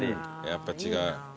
やっぱ違う。